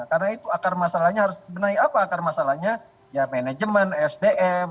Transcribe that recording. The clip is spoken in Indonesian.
karena itu akar masalahnya harus benar benar apa akar masalahnya ya manajemen sdm